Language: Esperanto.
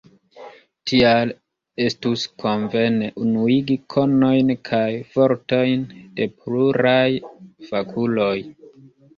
Tial estus konvene unuigi konojn kaj fortojn de pluraj fakuloj.